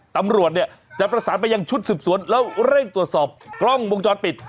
ตำรวจเนี่ยจะประสานไปยังชุดสืบสวนแล้วเร่งตรวจสอบกล้องวงจรปิด